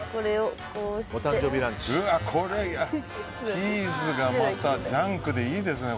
チーズがまたジャンクでいいですね。